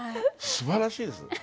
すばらしいです